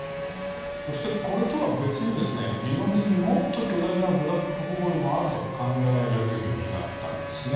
そして、これとは別に理論的にもっと巨大なブラックホールもあると考えられるようになったんです。